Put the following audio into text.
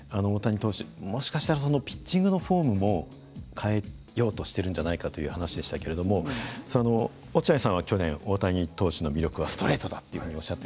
もしかしたらピッチングのフォームも変えようとしてるんじゃないかという話でしたけれども落合さんは去年「大谷投手の魅力はストレートだ」というふうにおっしゃってましたよね。